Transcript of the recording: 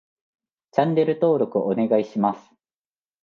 チャンネル登録お願いします